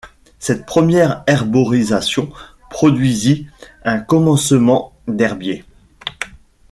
Cette première herborisation produisit un commencement d’herbier.